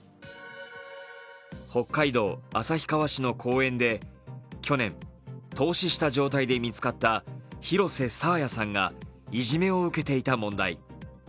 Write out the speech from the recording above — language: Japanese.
北海道旭川市の公園で去年、凍死した状態で見つかった廣瀬爽彩さんがいじめを受けていた問題。